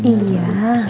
udah besi rahat